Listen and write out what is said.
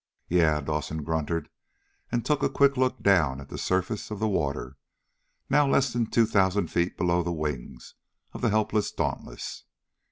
"Yeah!" Dawson grunted, and took a quick look down at the surface of the water now less than two thousand feet below the wings of the helpless Dauntless.